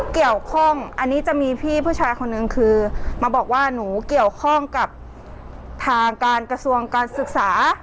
เกี่ยวข้องอันนี้จะมีพี่ผู้ชายคนนึงคือมาบอกว่าหนูเกี่ยวข้องกับทางการกระทรวงการศึกษา